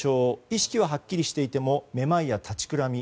意識ははっきりしていてもめまいや立ちくらみ。